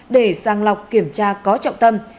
để sang lọc kiểm tra có trọng tâm